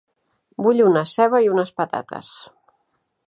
Vull una ceba i unes patates.